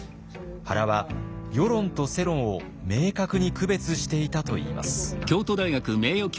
原は「輿論」と「世論」を明確に区別していたといいます。